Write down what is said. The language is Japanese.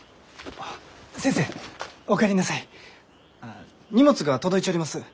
あ荷物が届いちょります。